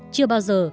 chưa bao giờ